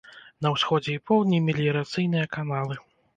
На ўсходзе і поўдні меліярацыйныя каналы.